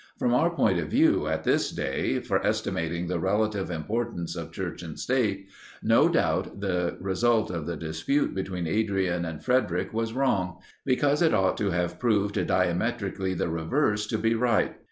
From our point of view, at this day, for estimating the relative importance of Church and State, no doubt, the result of the dispute between Adrian and Frederic was wrong; because it ought to have proved diametrically the reverse to be right.